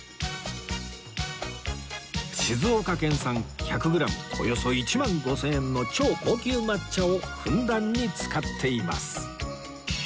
静岡県産１００グラムおよそ１万５０００円の超高級抹茶をふんだんに使っています